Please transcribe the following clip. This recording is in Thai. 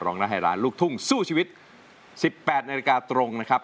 ร้องได้ให้ล้านลูกทุ่งสู้ชีวิต๑๘นาฬิกาตรงนะครับ